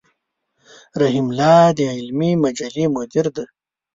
رحيم الله د علمي مجلې مدير دی.